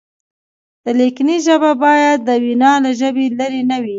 د لیکنې ژبه باید د وینا له ژبې لرې نه وي.